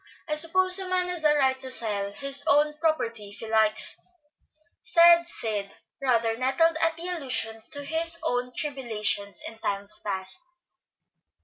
I suppose a man has a right to sell his own property if he likes," said Sid, rather nettled at the allusion to his own tribulations in times past.